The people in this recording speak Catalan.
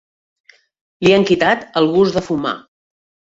Li han quitat el gust de fumar.